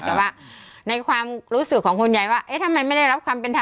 แต่ว่าในความรู้สึกของคุณยายว่าเอ๊ะทำไมไม่ได้รับความเป็นธรรม